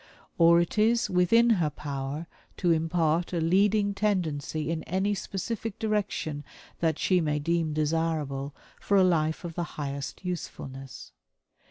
Or it is within her power to impart a leading tendency in any specific direction that she may deem desirable, for a life of the highest usefulness.